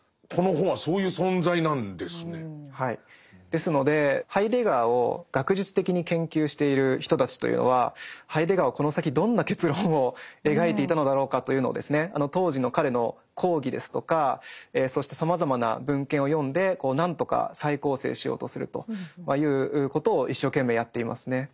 ですのでハイデガーを学術的に研究している人たちというのはハイデガーはこの先どんな結論を描いていたのだろうかというのを当時の彼の講義ですとかそしてさまざまな文献を読んで何とか再構成しようとするということを一生懸命やっていますね。